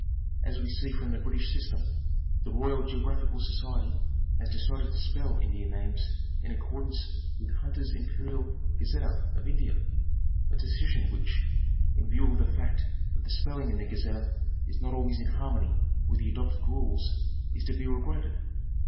As we see from the " British System," the Royal Geographical Society has decided to spell Indian names in accordance with " Hunters' Imperial Gazetteer of India," a decision which, in view of the fact that the spelling in the Gazetteer is not always in harmony with the adopted rules, is to be regretted.